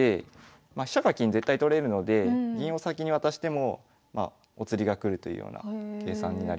まあ飛車か金絶対取れるので銀を先に渡してもお釣りが来るというような計算になります。